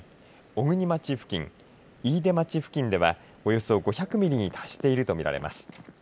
小国町付近飯豊町付近ではおよそ５００ミリに達していると見られます。